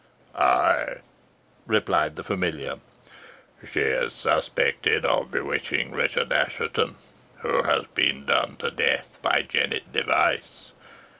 "Ay," replied the familiar. "She is suspected of bewitching Richard Assheton, who has been done to death by Jennet Device.